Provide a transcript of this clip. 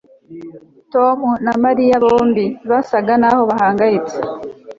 Tom na Mariya bombi basaga naho bahangayitse